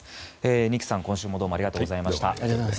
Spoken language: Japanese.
二木さん、今週もありがとうございました。